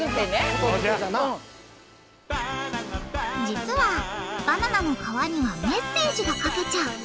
実はバナナの皮にはメッセージが書けちゃう。